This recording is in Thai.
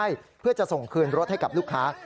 ให้เพื่อจะส่งคืนรถให้กับลูกค้า